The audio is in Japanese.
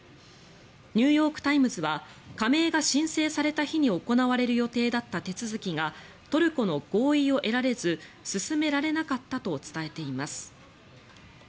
ニューヨーク・タイムズは加盟が申請された日に行われる予定だった手続きがトルコの合意を得られず進められなかったと伝えています。